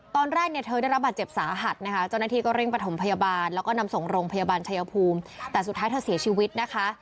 ตอนแรกเนี่ยเธอได้รับบาดเจ็บสาหัสนะคะเจ้าหน้าที่ก็เร่งประถมพยาบาลแล้วก็นำส่งโรงพยาบาลชายภูมิแต่สุดท้ายเธอเสียชีวิตนะคะ